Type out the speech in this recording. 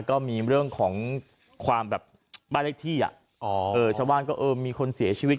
ก็มีเรื่องของความแบบบ้านเลขที่ชาวบ้านก็เออมีคนเสียชีวิต